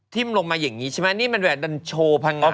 กล้วยมาอย่างงี้ใช่มั้ยนี่มันแบบจะโชว์พังอาด